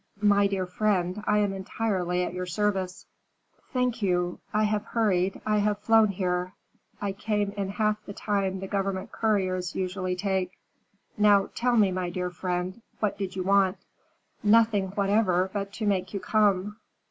"My dear friend, I am entirely at your service." "Thank you; I have hurried, I have flown here; I came in half the time the government couriers usually take. Now, tell me, my dear friend, what did you want?" "Nothing whatever, but to make you come."